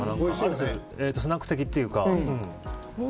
スナック的というか。